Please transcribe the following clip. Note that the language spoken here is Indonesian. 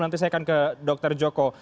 nanti saya akan ke dr joko